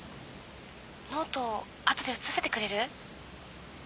ノート後で写させてくれる？